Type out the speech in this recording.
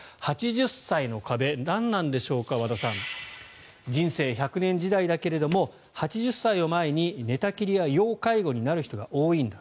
８０歳の壁、何なんでしょうか人生１００年時代だが８０歳を前に平均や要介護になる人が多いんだ